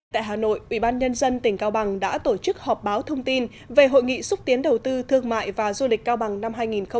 tại hà nội ubnd tỉnh cao bằng đã tổ chức họp báo thông tin về hội nghị xúc tiến đầu tư thương mại và du lịch cao bằng năm hai nghìn một mươi chín